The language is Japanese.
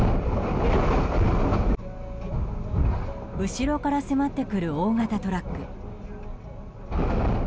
後ろから迫ってくる大型トラック。